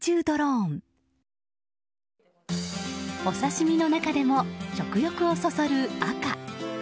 お刺し身の中でも食欲をそそる赤。